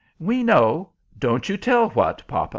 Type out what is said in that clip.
"We know! Don't you tell what, papa!